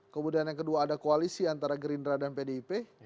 kemudian yang kedua ada koalisi antara gerindra dan pdip